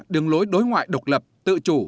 đường lối đối ngoại độc lập tự chủ